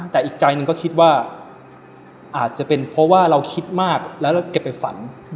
แต่อีกใจหนึ่งก็คิดว่าอาจจะเป็นเพราะว่าเราคิดมากแล้วแล้วแกไปฝัน